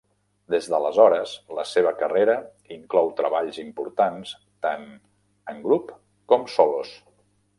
Des d'aleshores, la seva carrera inclou treballs importants tant en grup com solos.